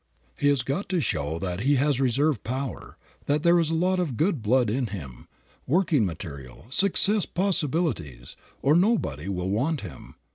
He has got to show that he has reserve power, that there is a lot of good blood in him, working material, success possibilities, or nobody will want him.